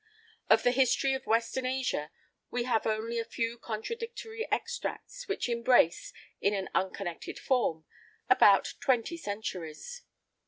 Of the history of western Asia we have only a few contradictory extracts, which embrace, in an unconnected form, about twenty centuries.